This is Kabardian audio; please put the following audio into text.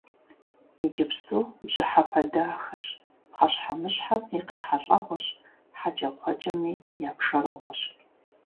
Иджыпсту бжьыхьэпэ дахэщ, пхъэщхьэмыщхьэм и къехьэлӀэгъуэщ, хьэкӀэкхъуэкӀэми я пшэрыгъуэщ.